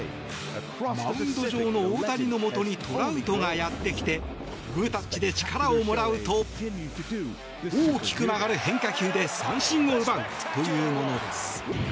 マウンド上の大谷のもとにトラウトがやってきてグータッチで力をもらうと大きく曲がる変化球で三振を奪うというものです。